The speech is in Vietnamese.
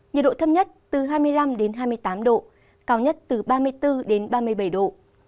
nhiệt độ thấp nhất từ hai mươi năm hai mươi tám độ cao nhất từ ba mươi bốn đến ba mươi bảy độ